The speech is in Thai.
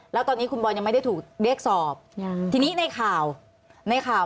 แล้วตอนนี้คุณบอลยังไม่ได้ถูกเรียกสอบทีนี้ในข่าวในข่าว